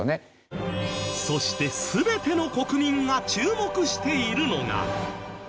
そして全ての国民が注目しているのが。